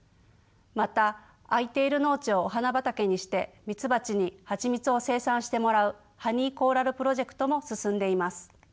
また空いている農地をお花畑にしてミツバチにハチミツを生産してもらうハニーコーラルプロジェクトも進んでいます。